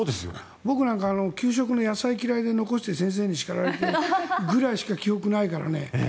僕なんか給食の野菜が嫌いで残して先生に叱られてぐらいしか記憶がないからね。